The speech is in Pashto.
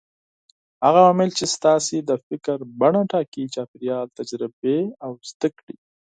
هغه عوامل چې ستاسې د فکر بڼه ټاکي: چاپېريال، تجربې او زده کړې.